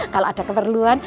kalau ada keperluan